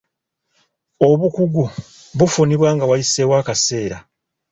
Obukugu bufunibwa nga wayiseewo akaseera.